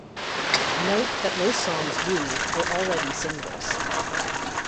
Note that most songs used were already singles.